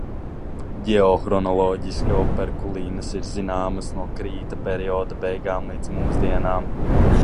Ģeohronoloģiski operkulinas ir zināmas no krīta perioda beigām līdz mūsdienām.